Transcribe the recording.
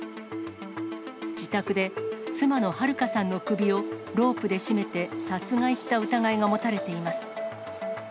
自宅で妻の春香さんの首をロープで絞めて殺害した疑いが持たれています。